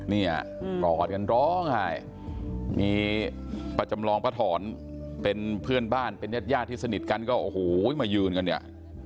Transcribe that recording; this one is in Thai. เนี่ยกอดกันร้องไห้มีป้าจำลองป้าถอนเป็นเพื่อนบ้านเป็นญาติญาติที่สนิทกันก็โอ้โหมายืนกันเนี่ย